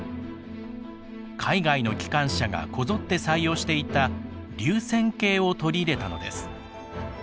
海外の機関車がこぞって採用していた流線形を取り入れたのです。